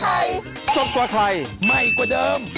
ไปแล้วค่ะพรุ่งนี้เจอกันสวัสดีค่ะ